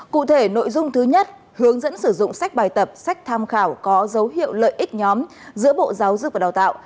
cụ thể nội dung thứ nhất hướng dẫn sử dụng sách bài tập sách tham khảo có dấu hiệu lợi ích nhóm giữa bộ giáo dục và đào tạo